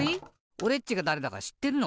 おれっちがだれだかしってるの？